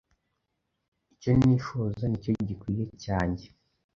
Icyo nifuza nicyo gikwiye cyanjye.